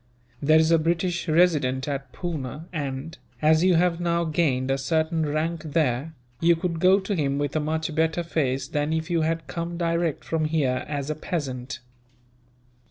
There is a British Resident at Poona and, as you have now gained a certain rank there, you could go to him with a much better face than if you had come direct from here, as a peasant.